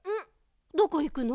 どこいくの？